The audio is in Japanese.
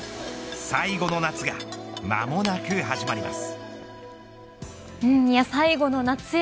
最後の夏が間もなく始まります。